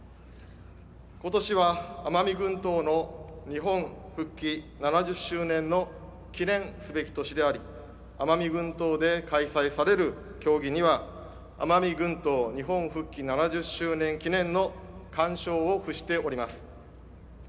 今年は奄美群島の日本復帰７０周年の記念すべき年であり奄美群島で開催される競技には奄美群島日本復帰７０周年記念のかんしょうを付しております。